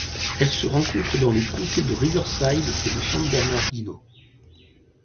Elle se rencontre dans les comtés de Riverside et de San Bernardino.